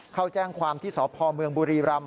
เข้าแจ้งความที่สพเมืองบุรีรำ